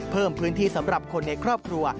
เพิ่มพื้นที่สำหรับคนในครอบครัว